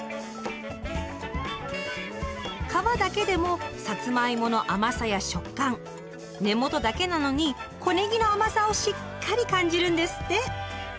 皮だけでもさつまいもの甘さや食感根元だけなのに小ねぎの甘さをしっかり感じるんですって。